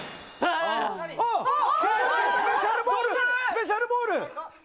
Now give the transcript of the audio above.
スペシャルボール！